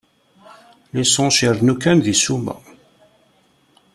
Lissans irennu kan deg ssuma.